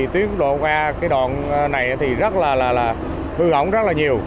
tiến đổi qua đoạn này thì hư hỏng rất nhiều